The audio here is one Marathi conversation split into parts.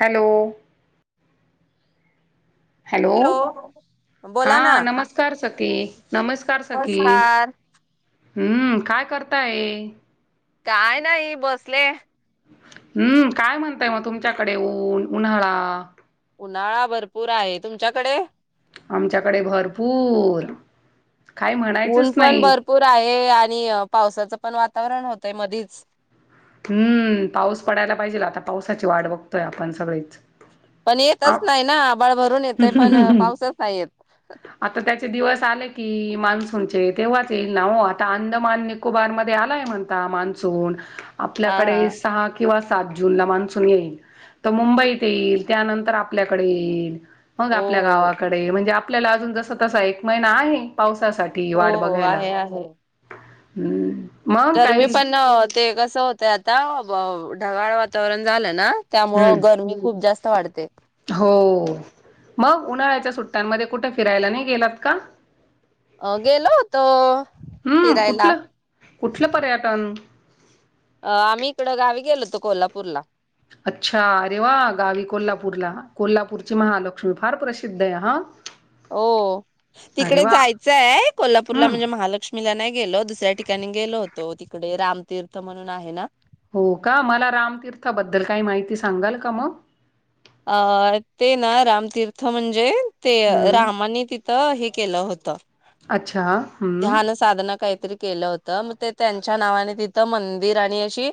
हॅलो. हॅलो हा बोला ना नमस्कार सती. नमस्कार सखी. नमस्कार हम्म काय करताये. काय नाही बसले. हम्म काय म्हणताय मग तुमच्याकडे ऊन उन्हाळा. उन्हाळा भरपूर आहे तुमच्याकडे. आमच्याकडे भरपूर. काय ऊन म्हणायचंच पण नाही भरपूर आहे आणि पावसाच पण वातावरण होतंय मधीच. हम्म पाऊस पडायला पाहिजेल आता पावसाची वाट बघतोय आपण सगळीच. पण येतच नाय ना आभाळ भरून येतय पण पाऊसच नाही येत आता त्याचे दिवस आलं की मान्सूनचे तेव्हाच येईल ना ओ आता अंदमान निकोबार मध्ये आलाय म्हणता मान्सून हा हा आपल्याकडे सहा किंवा सात जूनला मान्सून येईल तर मुंबईत येईल त्यानंतर आपल्याकड येईल मग हो आपल्या गावाकडे म्हणजे आप आपल्याला अजून जसा तसा एक महिना आहे पाऊस सा साठी हो वाट हो हो बघायला. आहे आहे हम्म. मग गरमी काही पण होते कसं होत ते आता ढगाळ वातावरण झालं ना हम्म त्यामूळ गरमी खूप जास्त त वाढते. हो मग उन्हाळ्याच्या सुट्ट्यांमध्ये कुठे फिरायला नाही गेलात का. अ गेलो होतो हम्म फिरायला. कुठलं कुठलं पर्यटन अ आम्ही इकडं गावी गेलो होतो कोल्हापूरला. अच्छा अरे वा गावी कोल्हापूरला, कोल्हापूरची महालक्ष्मी फार प्रसिद्ध आहे हा. हो अरे तिकडे वा जायचंय कोल्हापूरला हम्म म्हणजे महालक्ष्मीला नाई गेलो दुसऱ्या ठिकाणी गेलो होतो, तिकडे रामतीर्थ म्हणून आहे ना. हो का, मला रामतीर्था बद्दल काही माहिती सांगाल का मग? अ ते ना रामतीर्थ म्हणजे. ते हम्म रामानी तिथं हे केलं होत. अच्छा. हम्म ध्यानं साधन काहीतरी. केलं होत मग ते त्यांच्या नावाने तिथं मंदिर आणि अशी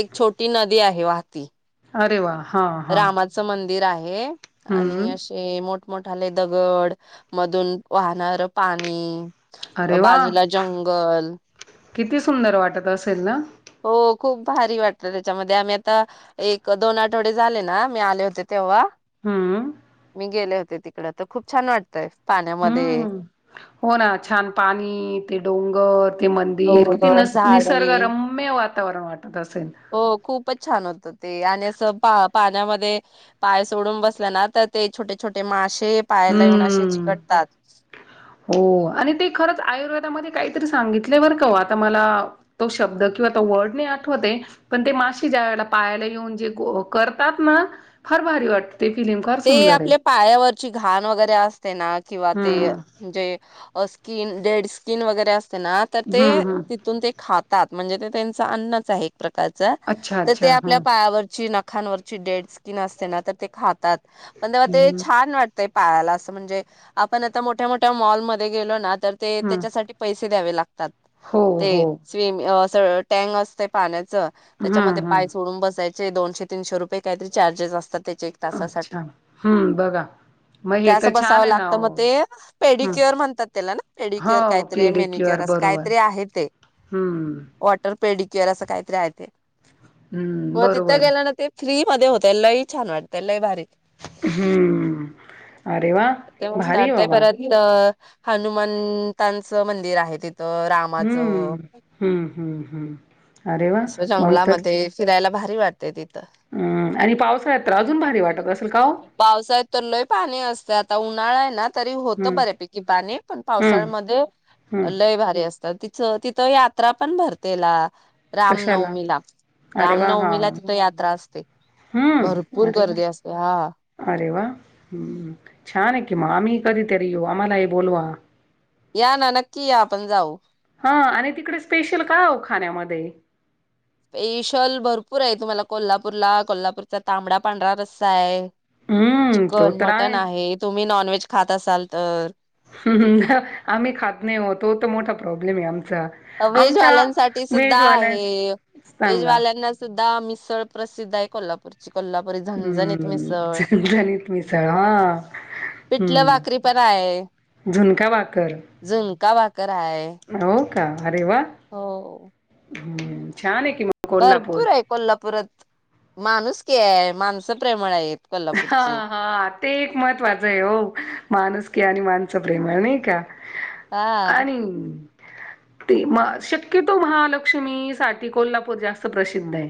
एक छोटी नदी आहे वाहती. अरे वा. हा हा रामाचं मंदिर. मंदिर आहे. आणि हम्म असे मोठ. मोठा लय दगड, मधून वाहणार पाणी. अरे वा, बाजूला जंगल किती सुंदर वाटत असेल ना. हो खूप भारी वाटत त्याच्यामध्ये आम्ही आता, एक दोन आठवडे झाले ना मी आले होते तेव्हा. हम्म मी गेले होते तिकड तर खूप छान वाटतंय. हम्म हो ना छान पाणी ते डोंगर ते मंदिर किती डोंगर, नसर झाडे निसर्ग रम्य वा. वातावरण वाट हो खूपच छान होत ते आणि असं पा. पाण्यामध्ये पाय सोडून बसल ना, तर ते छोटे छोटे माशे. ते पायाला येऊन असे हम्म चीकटतात. हो आणि ते खरंच आयुर्वेदामध्ये काहीतरी सांगितलय बरं का ओ आता मला तो शब्द किंवा तो वर्ड नाही आठवते, पण ते माशे ज्या वेळेला पायाला येऊन जे करतात ना, फार भारी वाटत. ते आपल्या पायावरची घाण वगैरे असते ना किंवा ते हम्म जे आ स्किन डेड स्किन वगैरे अस ना तर ते हम्म हम्म तिथून ते खा. तात म्हणजे ते त्यांचं अन्नच आहे. प्रकरचा अच्छा ते अच्छा आपल्या हम्म पायावरची नखांवरची डेड स्किन असते ना ते तर खात. तात म्ह म ते हम्म छान वाटतय पायाला असं म्हणजे आपण आता मोठ्या मोठ्या मॉल मध्ये गेलो ना तर ते हम्म त्याच्यासाठी पैसे ते द्यावे ला. हो हो ते स्विम त टँग असते पाण्यात. हम्म त्याच्यामध्ये पाय हम्म सोडून बसाय. दोनशे, तीनशे, रुपये काहीतरी चार्जेस असतात त्याचे. तसाठी अच्छा हम्म बघा मग हे अस तर बसा छान आहे ना लागत मग ओ ते हम्म पेडीक्युअर म्हणतात त्याला ना, पेडिक्युअर हो काहीतरी, पीडी क्यू मेनिक्यूर आर अस बरोबर काहीतरी, आहे ते हम्म वॉटरपेडी केअर, असं काहीतरी आहे ते. हम्म हो तिथं बरोबर गेला ना ते. फ्री मध्ये होत लई छान वाट ते लयी भारी. हूं अरे वा भारी वाबा हनुमंतांचं मंदिर आहे ती हूं हूं हूं! हूं! असं जंगलामध्ये फिरायला बाहे वाात [unintelligible] हं. पाऊस. पावसळ्या त लोय पाणी असत आता उन नारायणनाथ. तरी होत हम्म बऱ्यापैकी पाणी, पण हम्म पावसाळ्यामध्ये हम्म लय भारी असत. तर तिच तिथं यात्रा, पण भरतेला. राम कशाला नवमीला, अरे वा हा रामनवमीला तिथे यात्रा असते. हम्म भरपूर अरे वा गर्दी असते हा. अरे वा ह छानए. कि म आम्ही कधीतरी येऊ, आम्हाला ही बोलवा. या ना नक्की या आपण जाऊ हा आणि तिकडे स्पेशल काय ओ खाण्यामध्ये? [inaudible] स्पेशल भरपूर आहे तुम्हाला कोल्हापूरला, कोल्हापूरचा, तांबडा पांढरा रस्सा आहे. हम्म तो चिकन, तर मटन, आहेच आहे तुम्ही नॉनव्हेज. खात असाल तर. हुं हुं ह आम्ही खात नाही हो, तो त मोठा प्रॉब्लेम आहे आम वेजवाल्यांसाठी सुद्धा व्हेजवाल्या आहे, सांगा वेजवाल्यांना सुद्. दा मिसळ, प्रसिद्ध आहे कोल्हापूरची. कोल्हापुरी झणझणीत हम्म मिसळ झणझणीत मिसळ हा पिठलं हम्म भाकरी पण आहे झुणका भाकर. कर हाय. हो का. अरे वा हो. हम्म छान ए भरपूर आहे कोल्हापुरात माणूसकी आहे माणसं प्रेमळ आहेत हा कोल्हापूरची हा ते एक महत्त्वाचं आहे हो माणूसकी आणि माण स प्रेमळ नाही का. हा आणि ते म शक्यतो महालक्ष्मी साठी कोल्हापूर जास्त प्रसिद्ध आहे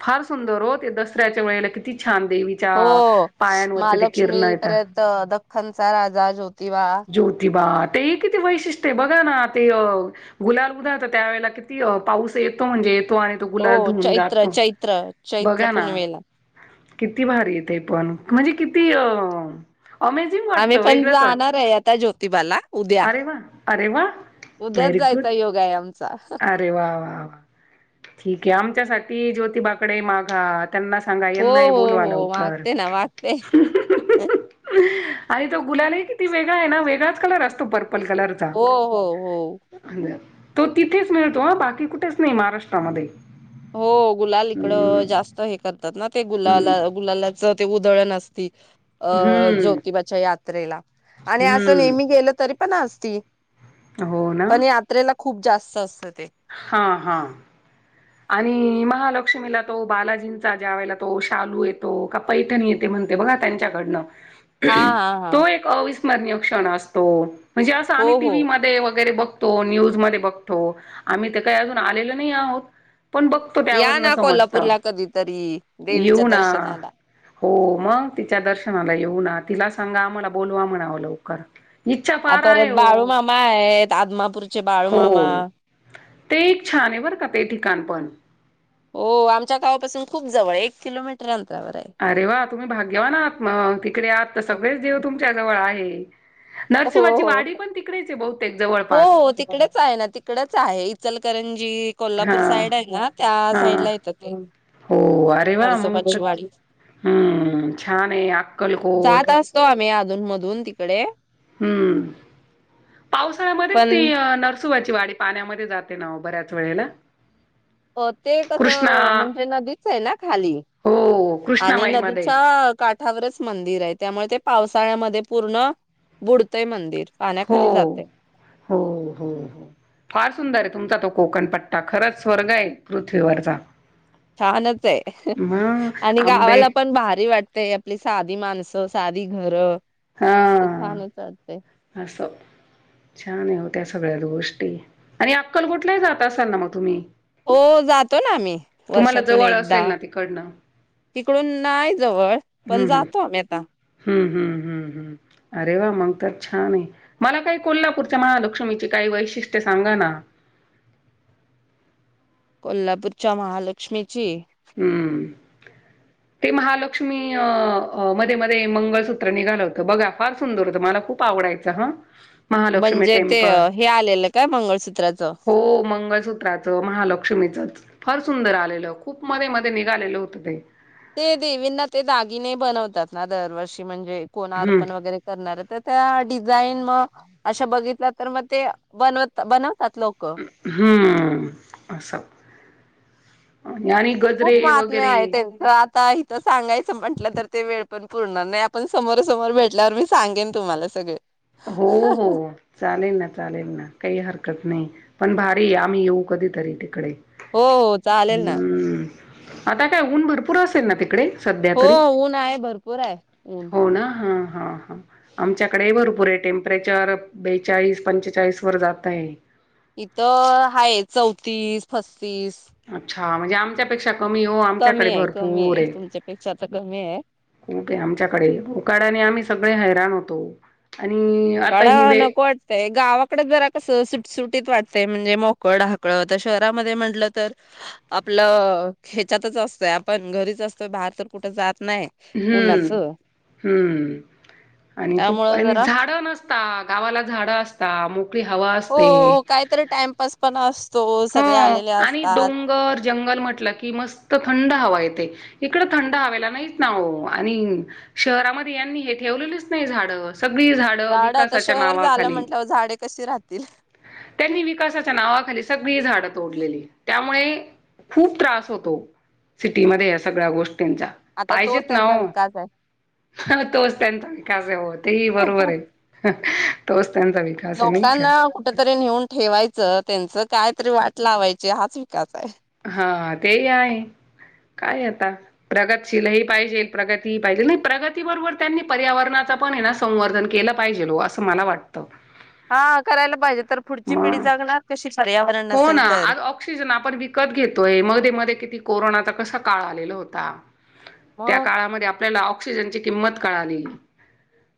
फार सुंदर हो ते दसऱ्याच्या वेळेला किती छान दे हो महालक्ष्मी येता. परत दख्खनचा राजा ज्योतिबा ज्योतिबा ते किती वैशिष्ट्य आहे बघा ना ते अ गुलाल उधळतात त्यावेेळेला किती अ पाऊस येतो म्हणजे येत हो चैत्र चैत्र चैत्र बघा ना पुनवेला. [inaudible] किती भारी ये ते पण म्हणजे किती अ अमेझिंग आम्ही वाटतं पण वेगळंच वाटत जाणार आहे आता ज्योतिबाला उद्या अरे वा अरे वा उद्याच व्हेरी गुड जायचा योग आहे आम अरे वा वा वा. ठीक आहे आमच्यासाठी ज्योतिबाकडे माघात त्यांना सांगा हो यांनाही हो बोलवा हो लवकर. मागते ना मागते आणि तो गुलालही किती वेगळा आहे ना वेगळाच कलर असतो पर पर्पल कलर चा. हो हो हो तिथेच मिळतो ह बाकी कुठेच नाही महाराष्ट्रामध्ये. हो गुलाल इकडं जास्त हे करतात न ते गुलाला गुलालाच ते उधळण असती. अ हम्म जोतिबाच्या यात्रेला आणि असं नेहमी हम्म गेलं तरी पण असती. हो ना. पण यात्रेला खूप जास्त असत ते. हा हा. आणि महालक्ष्मीला तो बालाजींचा ज्या वेळेला तो शालू येतो, का पैथणी येते म्हणते बघा त्यांच्याकडन हा हा हा तो एक अवि स्मरणीय क्षण असतो. म्हणजे असं हो आम्ही टी. हो व्ही मध्ये वेगैरे बघ तो, न्यूज मध्ये बघतो. आम्ही ते काही अजून आलेल नाही आहोत. पण बघतो त्यावर या न ना समजत. कोल्हापूरला कधीतरी देवीच्या येऊ ना, दर्शनाला हो मग तिच्या दर्शनाला येऊ ना. तिलाच सांगा, आम्हाला बोलवा म्हणावं लवकर. इच्छा आ फार आहे परत हो बाळूमामा आहेत. आदमापूरचे बाळूमामा. हो ते एक छानय बरं का ते ठी कान पन, हो आमच्या गावापासून खूप जवळये, एक किलोमीटर अंत अरे वा! तुम्ही भाग्यवान आहात म तिकडे आहात तर सगळेच देव तुमच्या जवळ आहे. हो नरशिवाची वाडी हो पण तिकडेच आहे बहुतेक हो जवळपास. हो तिकडेच आहे ना तिकडेच आहे. इचल करं जी, कोल्हापूर हां, साईड आहेत ना, त्या हां. साईडला येतं ते. हो अरे वा! मग नरसोबाची त वाडी हम्म छानय, अक्कलकोट. धून मधून तिकडे. हम्म, पावसाळ्यामध्येच ती पण नरसुबाची चीवाडी पाण्यामध्ये जाते ना ओ, बऱ्याच वेळेला. अ ते कृष्णा कसं म्हणजे नदीचय ना खाली, हो, आणि कृष्णामाईमध्ये. नदीच्या काठावरच मंदिरय. त्यामुळे ते पावसाळ्यामध्ये पूर्ण बुडतंय मंदिर. हो, पाण्याखाली जाते हो हो हो फार सुंदरय तुमचा तो कोकणप ट्टा खरच स्वर्गय पृथ्वीवरचा. छानचय मग [unintelligible] आणि आंबे गावाला पण भारी वाटतय आपली संस् साधी माणसं, साधी घरं. हा ते छानच [unintelligible] तय. असं छान होत्या सगळ्याच गोष्टी, आणि अक्कलकोटलाही जात असाल ना मग तुम्ही? हो जातो ना आम्ही, तुम्हाला वर्षातून जवळ एकदा, असेल ना तिकडनं इकडून नाही जवळ पण हम्म हम्म जातो आम्ही आता हम्म हम्म हम्म हम्म अरे वा! मंग तर छानय, मला काही कोल्हापूरच्या महालक्ष्मीची काही वैशिष्ट्य सांगा ना. कोल्हापूरच्या महालक्ष्मीची? हम्म, ते महालक्ष्मी अ मध्ये मध्ये मंगळसूत्र निघालं होतं बघा, फार सुंदर होतं मला खूप आवडायचं हा. महालक्ष्मी म्हणजे ते टेम्पल हे आलेलं काय मंगळसूत्राचं हो, मंगळसूत्राच महालक्ष्मीचच. फार सुंदर आलेल. खूप मधे - मधे निघालेलं होतं ते. ते देवींना ते दागिने बनवतात ना, दरवर्षी म्हणजे कोण हम्म अर्पण वगैरे करणार तर त्या जाईन मग, अशा बघितला तर मग ते बनवत बन हम्. खूप महात्म्या वगैरे आहे त्यांच आता तर सांगायचं म्हटलं तर ते वेळ पण पुरणार नाही आपण समोर समोर भेटल्यावर मी सांगेन तुम्हाला सगळ. हो हो चालेल ना चालेल ना. काही हरकत नाही पण भारी आम्ही येऊ कधीतरी तिकडे. हो हो चालेल ना. हम्म आता काय ऊन भरपूर असेल ना तिकडे. सध्या हो तरी ऊन आहे भरपूर आहे, ऊन. हो ना हा हा हा आमच्याकडे पुरे टेम्परेचर बेचाळीस पंचेचाळीस वर जातय. इथं हाय चौतीस पस तीस. ह म्हणजे आमच्यापेक्षा कमी हो आमच्याकडे आहे कमी भरपूर आहे, तुमच्यापेक्षा आता कमी आहे खूप आहे आमच्याकडे उकाडाने आम्ही सगळे हैराण होतो तो. उकाड न वाटतय गावाकड जरा कस सुट सुट म्हणजे मोकळ ढाकळ तर शहरामध्ये म्हटलं तर आपलं ह्याच्यातच असतय आपण घरीच असतोय बाहेर तर कुठ जात नाही हम्म, उन्हाचं हम्म, आणि खूप त्यामुळं आणि जरा झाड न गावाला झाड असता हवा असते. हो काहीतरी टाइमपास पण असत हो आणि डोंगर जंगल म्हटलं की मस्त थंड हवाय इकड थंड हवेला नाहीत ना आणि शहरामध्ये यांनी हे ठेवलेलीच नाही झाड. सगळी झाडं झाड आता विकासाच्या शहर झालं नावाखाली, म्हंटल्यावर झाडे कशी राहतील त्यांनी विकासाच्या नावा सगळी झाड तोडलेली त्यामुळे खूप त्रास होतो सिटीमध्ये या सगळ्या गोष्टी त्यांचा आता तोच पाहिजेेत ना त्यांचा हो. विकास ह तोच त्यांचा विकास होत. तेही बरोबर आहे. तोस्त लोकांना कुठेतरी नेऊन ठेवायचं त्यांच काय. तरी वाट लावायची हाच विकास आहे. हा तेही आहे. काय आता प्रगतशील ह पाहिजे प्रगती ह पाहिजे नाही प्रगती बरोबर त्यांनी पर्यावरणाचा पण ना संवर्धन केलं पाहिजेल हो असं मला वाटतं. हा करायला पाहिजे. तर पुढची पिढी मग जगणार कशी? पर्यावरण हो ना नसेल तर. आज ऑक्सिजन आपण विकत घेतोय म मध्ये किती कोरोना आता कसा काळ आलेला होता. त्या मग काळामध्ये आपल्याला ऑक्सिजनची किंमत कळा आली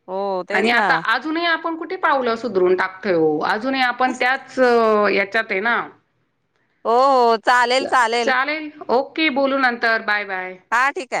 हो आणि तेच ना आता अजूनही आप आपण कुठे पावलं सुधरून टाकत अजून आपण त्याच याच्या ते ना हो हो चालेल चालेल ओककी बोलू नंतर बाय बाय हा ठीक आहे.